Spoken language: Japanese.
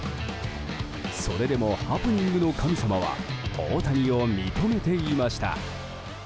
それでもハプニングの神様は大谷を認めていました。